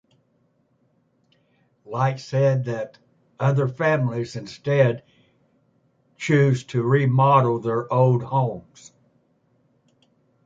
Light said that other families instead choose to remodel their older houses.